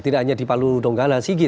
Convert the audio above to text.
tidak hanya di paludonggala sigi